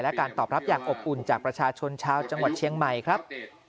และการตอบรับอย่างอบอุ่นจากประชาชนชาวจังหวัดเชียงใหม่ครับ